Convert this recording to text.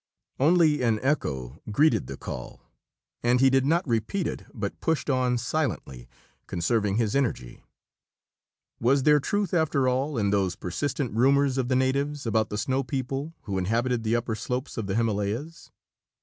Only an echo greeted the call, and he did not repeat it but pushed on silently, conserving his energy. Was there truth after all in those persistent rumors of the natives about the snow people who inhabited the upper slopes of the Himalayas?